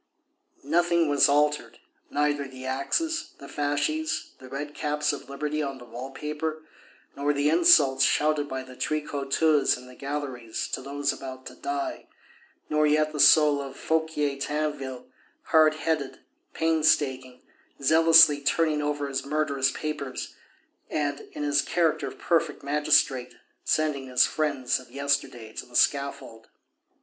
Nothing was altered, neither the axes, the fasces, the red caps of Liberty on the wall paper, nor the insults shouted by the tricoteuses in the galleries to those about to die, nor yet the soul of Fouquier Tinville, hard headed, painstaking, zealously turning over his murderous papers, and, in his character of perfect magistrate, sending his friends of yesterday to the scaffold.